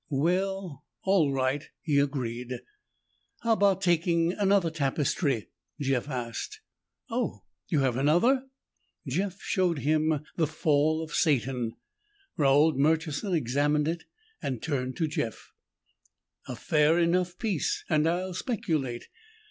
"Well, all right," he agreed. "How about taking another tapestry?" Jeff asked. "Oh, you have another?" Jeff showed him The Fall of Satan. Raold Murchison examined it and turned to Jeff. "A fair enough piece and I'll speculate.